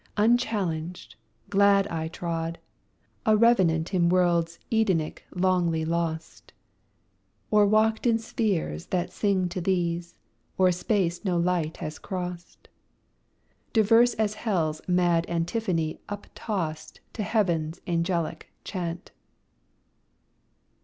Unchallenged, glad I trod, a revenant In worlds Edenic longly lost; Or walked in spheres that sing to these, O'er space no light has crossed, Diverse as Hell's mad antiphone uptossed To Heaven's angelic chant.